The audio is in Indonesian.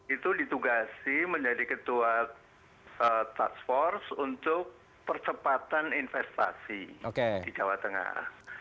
itu ditugasi menjadi ketua task force untuk percepatan investasi di jawa tengah